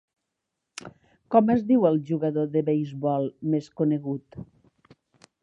Com es diu el jugador de beisbol més conegut?